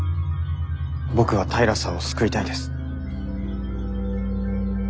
僕は平さんを救いたいです。